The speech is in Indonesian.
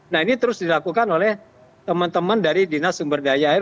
nah ini terus dilakukan oleh teman teman dari dinas sumber daya air